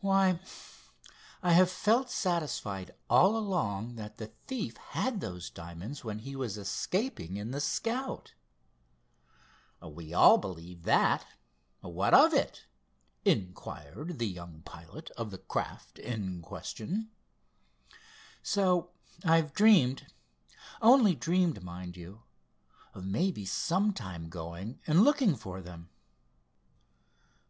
"Why, I have felt satisfied all along that the thief had those diamonds when he was escaping in the Scout." "We all believe that. What of it?" inquired the young pilot of the craft in question. "So, I've dreamed—only dreamed, mind you—of maybe some time going and looking for them."